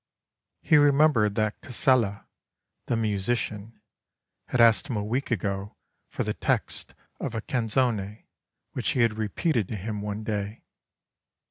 He remembered that Casella, the musician, had asked him a week ago for the text of a canzone which he had repeated to him one day.